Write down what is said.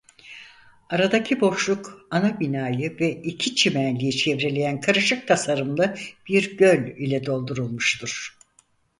Aradaki boşluk ana binayı ve iki çimenliği çevreleyen karışık tasarımlı bir göl ile doldurulmuştur.